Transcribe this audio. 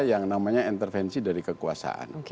yang namanya intervensi dari kekuasaan